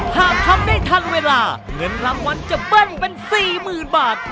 หากทำได้ทันเวลาเงินรางวัลจะเบิ้ลเป็น๔๐๐๐บาท